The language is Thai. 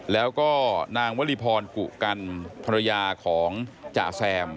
แล้วก็นางวลีพรกุกันภรรยาของจ่าแซม